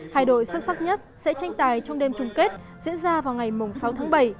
hai đội xuất sắc nhất sẽ tranh tài trong đêm chung kết diễn ra vào ngày sáu tháng bảy